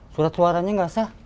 surat suaranya gak sah